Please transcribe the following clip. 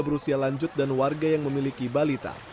berusia lanjut dan warga yang memiliki balita